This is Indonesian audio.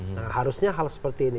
nah harusnya hal seperti ini